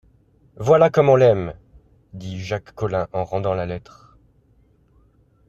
Voilà comme on l’aime!... dit Jacques Collin en rendant la lettre...